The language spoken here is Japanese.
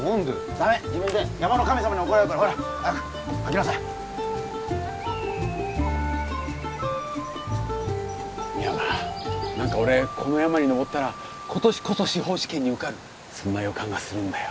ダメ自分で山の神様に怒られるから早く書きなさい深山何か俺この山に登ったら今年こそ司法試験に受かるそんな予感がするんだよ